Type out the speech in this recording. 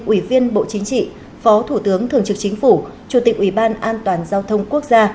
ủy viên bộ chính trị phó thủ tướng thường trực chính phủ chủ tịch ủy ban an toàn giao thông quốc gia